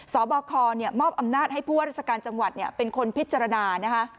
สบคมอบอำนาจให้ผู้ว่าราชการจังหวัดเป็นคนพิจารณานะคะ